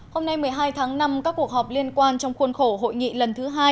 hôm nay một mươi hai tháng năm các cuộc họp liên quan trong khuôn khổ hội nghị lần thứ hai